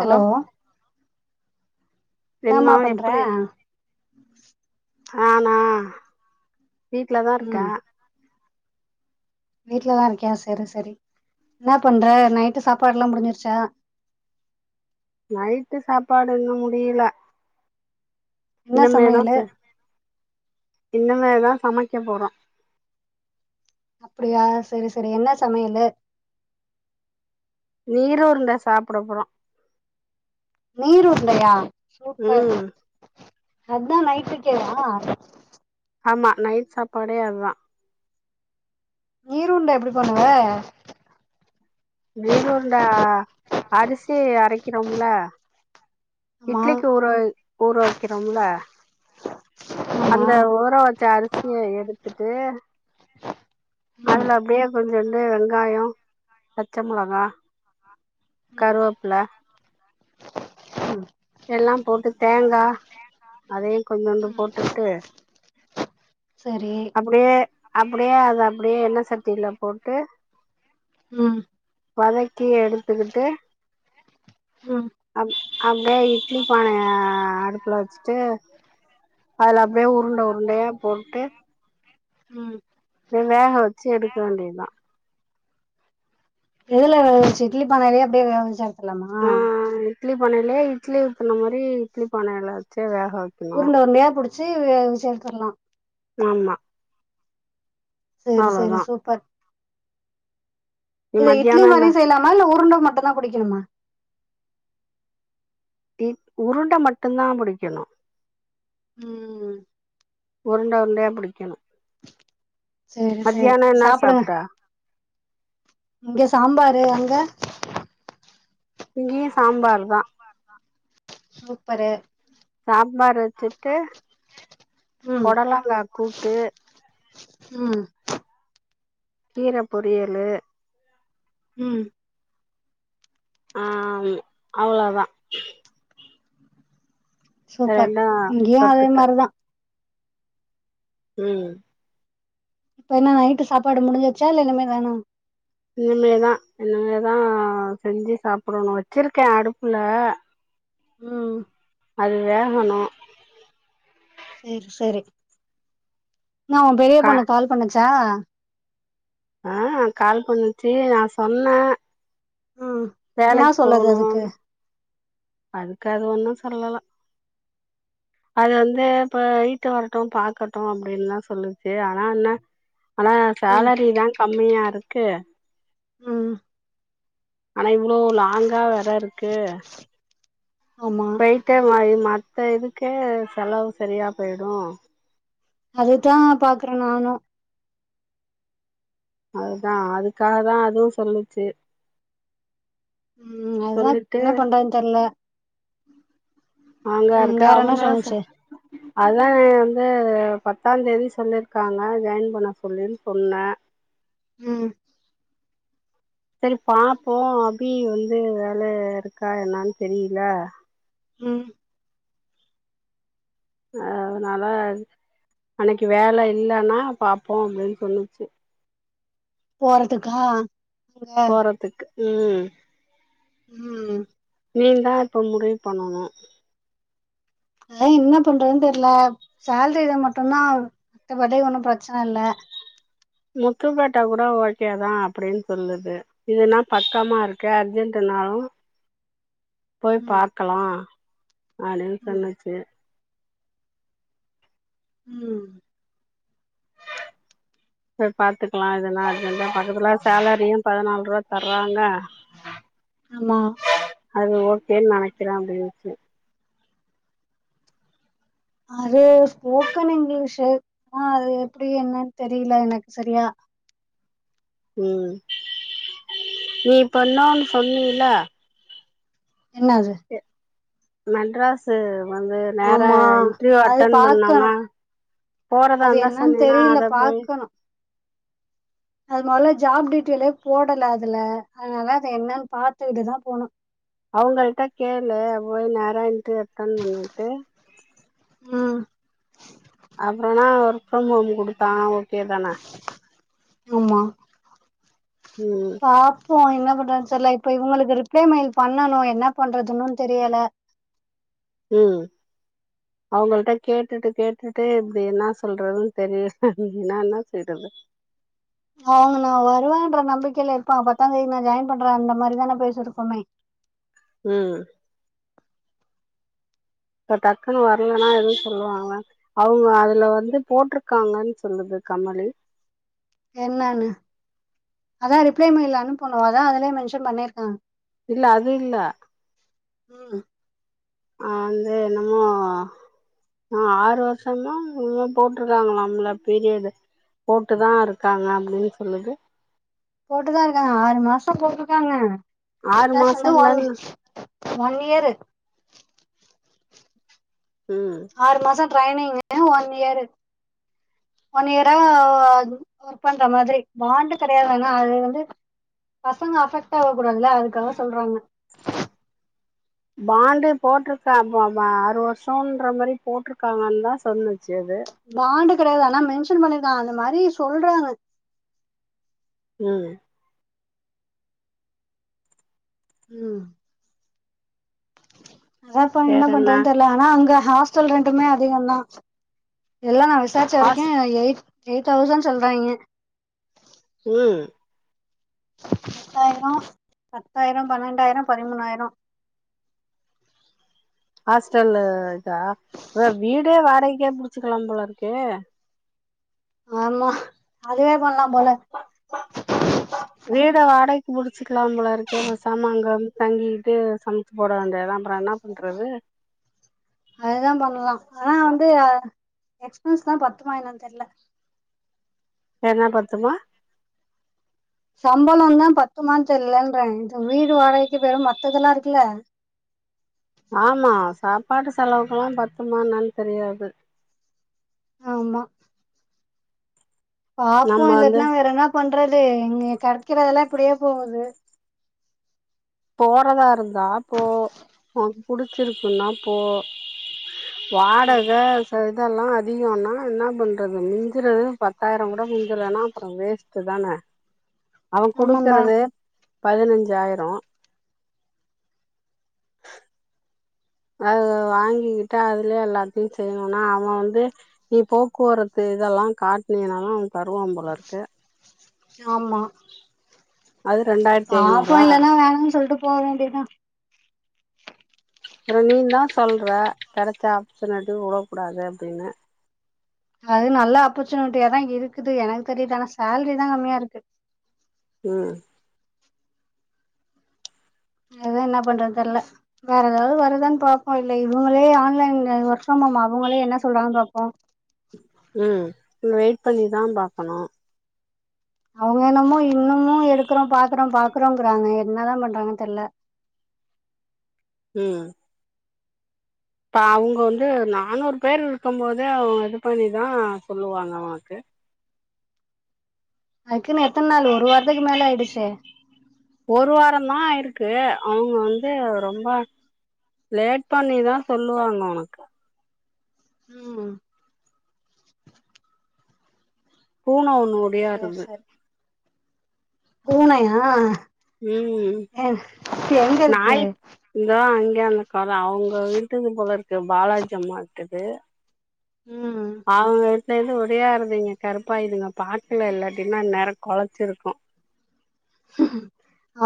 hello என்னா என்னம்மா பண்ற எப்புடி ஆனா வீட்லதா இருக்க ம் வீட்லதா இருக்கியா சரி சரி என்னா பண்ற நைட்டு சாப்பாடு எல்லா முடிஞ்சிருச்சா நைட்டு சாப்பாடு இன்னு முடியில என்ன இனிமே தா சமையலு செ இனுமேதா சமைக்க போற அப்புடியா செரி செரி என்ன சமையலு நீர் உருண்ட சாப்புட போறோ நீர் உருண்டயா சூப்பர் ம் அதுதா நைட்டுக்கே வா ஆமா நைட் சாப்பாடே அதுதா நீர் உருண்ட எப்புடி பண்ணுவ வேரூண்டா அரிசி அரைக்கிறோம்ல ஆமா இட்லிக்கு ஊறவ் ஊற வக்கிறோம்ல ஆமா அந்த ஊற வச்ச அரிசிய எடுத்துட்டு ம் அதுல அப்டியே கொஞ்சுண்டு வெங்காயோ பச்ச முளகா ம் ம் கருவப்புல ம் எல்லா போட்டு தேங்கா அதையு கொஞ்சோண்டு போட்டுட்டு சரி அப்புடியே அப்புடியே அது அப்புடியே எண்ண சட்டில போட்டு ம் வதக்கி எடுத்துக்கிட்டு ம் அம் அது லே இட்லி பானை அடுப்புல வச்சுட்டு அதுல அப்டியே உருண்ட உருண்டயா போட்டு ம் த வேக வச்சி எடுக்க வேண்டியத்தா எதுல இட்லி பானையிலே அப்டியே வேக வச்சா எடுத்தர்லாமா ஆ இட்லி பானயிலே இட்லி ஊத்துன மாரி இட்லி பானைல வச்சி வேகவ உருண்ட உருண்டயா புடிச்சி வேக வச்சி எடுத்தர்லா ஆமா சேரி சேரி அவ்வளோதா சூப்பர் நீ இத இட்லி மத்தியானோ மாரி என்ன செய்லாம இல்ல உருண்ட மட்டு தா புடிக்கணுமா டி உருண்ட மட்டு தா புடிக்கணு ம் உருண்ட உருண்டயா புடிக்கனு சேரி சேரி மத்யான என்னா சாப்புடுங்க சாப்ட இங்க சாம்பாரு அங்க இங்கியு சாம்பார் தா சூப்பரு சாம்பார் வச்சிட்டு ம் பொடலங்கா கூட்டு ம் கீர பொரியலு ம் ஆம் அவ்ளோதா சூப்பர் ரெண்டு இங்கியு அதே தொட்டுக்க மார்தா ம் இப்ப என்ன நைட்டு சாப்பாடு முடிஞ்சிர்ச்சா இல்ல இனிமே தானா இனிமேதா இனிமேதா செஞ்சி சாப்புடனு வெச்சிருக்கே அடுப்புல ம் அது வேகணு செரி செரி நா உ பெரிய கா பொண்ணு கால் பண்ணுச்சா ஆ கால் பண்ணிச்சி நா சொன்ன ம் என்னா வேலைக் சொல்லுது போனு அதுக்கு அதுக்கு அது ஒண்ணு சொல்லல அது வந்து போய்ட்டு வரட்டு பாக்கட்டு அப்டின்லா சொல்லுச்சி ஆனா என்ன ஆனா ம் சேலரிதா கம்மியாருக்கு ம் ஆனா இவ்ளோ லாங்கா வேற இருக்கு ஆமா நைட்டே மாரி மத்த இதுக்கே செலவு செரியா போய்டு அதுதா பாக்குறே நானு அதுதா அதுக்காக தா அதுவு சொல்லுச்சி ம் அதுதா சொல்லிட்டு என்ன பண்றதுன் தெர்ல அங்க ம் அருக்க வேற என்ன அவுங்க ச சொன்னுச்சு அதா ஆ வந்து பத்தா தேதி சொல்லிர்க்காங்க ஜாயின் பண்ண சொல்லுன் சொன்ன ம் செரி பாப்போ அபி வந்து வேல இருக்கா என்னான் தெரியில ம் அதனால அன்னைக்கு வேல இல்லான்னா பாப்போ அப்டின் சொல்லுச்சி போரதுக்கா போரதுக்கு ம் ம் நீ தா இப்போ முடிவு பண்ணணு அதான் என்ன பண்றதுனு தெர்ல சால்ரில மட்டுதா பத்தபடி ஒன்னு பிரச்சன இல்ல முத்து பேட்ட கூட ஓகே தா அப்டின்னு சொல்லுது இதுன்னா பக்கமா இருக்கு அர்ஜென்ட்டுனாலு போய் ம் பாக்கலா அப்டின்னு ம் சொல்லுச்சி ம் செரி பாத்துக்கலா இதுனா இருக்கு பக்கத்துல சேலரியு பதினால் ரூவா தர்றாங்க ஆமா அது ஓகேன்னு நனைக்கிற அப்டின்னுச்சி அது ஸ்போக்கன் இங்கிலீஷூ ஆ அது எப்டி என்னன்னு தெரில எனக்கு செரியா ம் நீ பண்ணான் சொன்னீல்லா என்னாது மெட்ராசு வந்து நேரா ஆமா இன்ட்ர்வ்யூவ் அது அட்டன் பாக்கணு பண்ணான்னா போறதா அது இருந்தா என்னன்னு சொன்னன்னா தெரில அத போயி பாக்கணு அது மொதல ஜாப் டீட்டெய்லே போடல அதுல அதனால அது என்னன்னு பாத்துட்டுதா போணு அவங்கள்ட்டா கேள்ளு போய் நேர இன்ட்டிர்யூ அட்டன் மன்னிட்டு ம் அப்புறோனா ஒர்க் ஃப்ரம் ஹோம் குடுத்தானா ஓகே தானே ஆமா ம் பாப்போ என்ன பண்றது தெர்ல இப்ப இவங்களுக்கு ரிப்ளே மெயில் பண்ணணு என்ன பண்றதுனு தெரியல ம் அவங்கள்ட்ட கேட்டுட்டு கேட்டுட்டு இப்டி என்ன சொல்றதுனு தெரில நா என்ன செய்றது அவங்க நா வருவோன்ற நம்பிக்கையில இருப்பாங்க பத்தா தேதி நா ஜாயின் பண்ற அந்த மாரி தா பேசிருக்கோமே ம் இப்ப டக்குன்னு வரலன்னா எதுவு சொல்லுவாங்களா அவுங்க அதுல வந்து போட்ருக்காங்கன்னு சொல்லுது கமலி என்னான்னு அதா ரிப்ளே மெயில் அனுப்பனு அதா அதுலயே மென்ஷன் பண்ணிருக்காங்க இல்ல அது இல்ல ம் அ வந்து என்னமோ ஆ ஆறு வருஷமோ என்னமோ போட்டிருக்காங்களாம்ள ப்பீரியடு போட்டு தா இருக்காங்க அப்டின்னு சொல்லுது போட்டுதா இருக்காங்க ஆறு மாசோ போட்ருக்காங்க ஆறு பேசந்து மாசம் வாழு இல்லன்னு ஒன் இயரு ம் ஆறு மாசோ ட்ரைனிங் ஒன் இயரு ஒன் இயரா ஒர்க் பண்ற மாதிரி பாண்டு கிடையாது அனா அது வந்து பசங்க அஃபெக்ட் ஆக கூடாதுல அதுக்காக சொல்றாங்க பாண்டு போட்டிருக்காமாம அறு வருஷோன்ற மாரி போட்ருக்காங்கன்னு தா சொல்லுச்சு அது பாண்டு கெடையாது ஆனா மென்ஷன் பண்ணிருக்கா அந்த மாரி சொல்றாங்க ம் ம் அதா இப்ப என்ன பண்றதுனு தெரியல ஆனா அங்க ஹாஸ்டல் ரென்ட்டுமே அதிகோ தா எல்லா டிஸ்சார்ஜ் ஹாஸ் ஆராக்கே எயிட் எயிட் தௌசண்ட் சொல்லாராய்ங்க ம் பத்தாயிரோ பத்தாயிரோ பன்னெண்டாயிரோ பதிமூணாயிரோ ஹாஸ்டல் இதா வீடே வாடகைக்கே புடிச்சக்கலா போல இருக்கே ஆமா அதுதே பண்லா போல வீட வாடைக்கு புடிச்சிக்கலா போல இருக்கேப் பேசமா அங்க வந்து தங்கிட்டு சமைச்சு போட வேண்டியதுதா அப்றோ என்ன பன் ன்றது அதுதா பண்ணலா ஆனா வந்து எக்ஸ்பன்ஸ் தா பத்துமா என்ன தெர்ல என்ன பத்துமா சம்பளோ தா பத்தும தெரியலன்ற இது வீடு வாடகைக்கு போயிரு மத்ததெல்லா இருக்குல்ல ஆமா சாப்பாடு செலவுக்கெல்லா பத்துமா என்னன் தெரியாது ஆமா பாப்போ நம்ம வந்து இல்லாட்ன்னா வேற என்ன பண்றது இங்க கெடைக்கிறதெல்லா இப்டியே போகுது போறதா இருந்தா போ உனக்கு புடிச்சிருக்குன்னா போ வாடக இதெல்லா அதிகோனா என்ன பண்ணுறது மிஞ்சறது பத்தாயிரோ கூட மிஞ்சலன்னா அப்பறோ வேஸ்ட்டு தான அவன் ஆமாந்தா குடுக்கறது பதினஞ்சாயிரோ அத வாங்கிக்கிட்டு அதுலயே எல்லாத்தையு செய்யணுனா அவன் வந்து நீ போக்குவரத்து இதெல்லா காட்டின்னாத அவ தருவா போல இருக்கு ஆமா அது ரெண்டாயிரத்தி பாப்போ ஐநூறா இல்லன்னா வேணானு சொல்ட்டு போ வேண்டிதா அப்றோ நீ தா சொல்ற கெடைச்சா ஆப்சன எதுவு உடக்கூடாது அப்டின்னு அது நல்ல ஆப்பர்ச்சுனிட்டிய தா இருக்குது எனக்கு தெரியுது ஆன சேலரி தா கம்மியா இருக்கு ம் அதா என்ன பண்றதுன்னு தெர்ல வேற ஏதாவது வருதானு பார்ப்போ இல்ல இவங்களே ஆன்லைன்ல ஓர்க் ஃப்ரம் ஹோம் அவங்களே என்ன சொல்றாங்கனு பாப்போ ம் வெயிட் பண்ணி தா பார்க்கணு அவுங்க என்னமோ இன்னமு எடுக்கிறோ பாக்குறோ பாக்குறோ அப்படிங்கிறாங்க என்னதா பண்றாங்க தெரியல ம் இப்ப அவங்க வந்து நானூறு பேர் இருக்கு போதே அவுங்க இது பண்ணிதா சொல்லுவாங்க நமக்கு அதுக்குன்னு எத்தன நாள் ஒரு வாரத்துக்கு மேல ஆயிடுச்சே ஒரு வார தா ஆயிருக்கு அவங்க வந்து ரொம்ப லேட் பண்ணிதா சொல்லுவாங்க உனக்கு ம் பூன ஒன்னு ஓ சேர் செரி பூனையா ம் ஆ எங்கருக்கு இந்த அங்கே அந்த வந்துருக்கள அவங்க வீட்டுது போலருக்கு பாலாஜி அம்மா வீட்டுது ம் அவங்க வீட்டுல இருந்து உடியாருது கருப்பா இதுங்க பார்க்கல இல்லாட்டின்னா குலைச்சிருக்கும்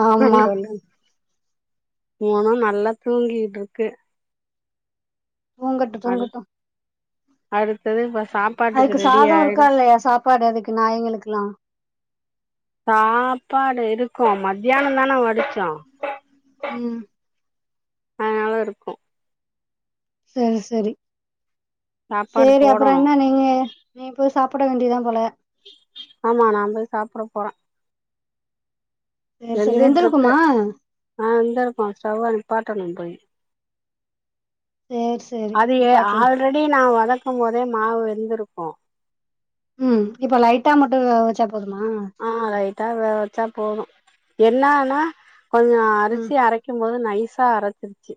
ஆமா மூணும் நல்லா தூங்கிட்டு இருக்கு தூங்கட்டு அ தூங்கட்டு அடுத்தது இப்ப சாப்பு அதுக்கு சாதம் இருக்கா இல்லையா சாப்பாடு அதுக்கு நாய்ங்களுக்குல்லாம் சாப்பாடு இருக்கும் மத்தியானம் தானே வடிச்சேம் ம் அ அதா இருக்கும் சேரி சேரி சாப்பாடு சேரி அப்புறம் போடணு என்ன நீங்க நீ போய் சாப்பிட வேண்டியதுதான் போல ஆமா நான் போய் சாப்பிட போறேன் சேரி சேரி வெந்துட்டு இருக்கு வெந்திருக்குமா ஆ வெந்து இருக்கும் ஸ்டவ்வ நிப்பாட்டணும் போய் சேரி சேரி அது ஏ நிப்பாட்லா ஆறு முன்னாடி நான வதக்கும் போதே மாவு வெந்திருக்கு ம் இப்ப லைட்டா மட்டும் வெவச்சா போதுமா ஆ லைட்டா வெவச்சா போதும் என்னன்னா கொஞ்சம் ம் அரிசி அரை கும்போது நைசா அரைச்சிருச்சு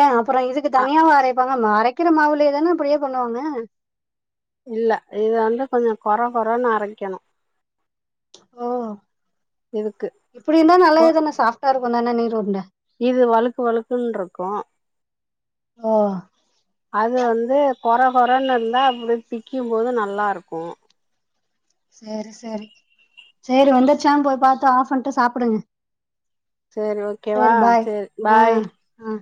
ஏன் அப்பும் இதுக்கு அ தனியாவா அரைப்பாங்க அரைக்கிற மாவுலேதானே இப்படியே பண்ணுவாங்க இல்ல இது வந்து கொஞ்ச குறை குறைன்னு அறைக்கணும் ஓ இதுக்கு இப்படி இருந்தா கொ நல்லது தானே சாஃப்டா இருக்கும் தானே நீர் உருண்ட இது வழுக்கு வழுக்குன்னு இருக்கும் ஓ அது வந்து குர குறைன்னு இருந்தால் அப்டி பிக்கும்போது நல்லாருக்கும் சேரி சேரி சேரி வந்துருச்சான் போய் பாத்து ஆஃப் பண்ணிட்டு சாப்பிடுங்க சேரி ஓகேவா சேரி பாய் ம்